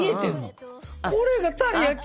「これがたい焼き？」